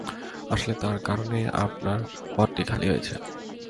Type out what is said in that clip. আসলে, তার কারণেই আপনার পদটা খালি হয়েছে।